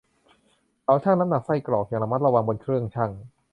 เขาชั่งน้ำหนักไส้กรอกอย่างระมัดระวังบนเครื่องชั่ง